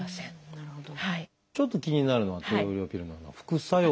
なるほど。